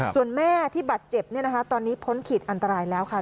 ส่วนแม่ที่บาดเจ็บตอนนี้พ้นขีดอันตรายแล้วค่ะ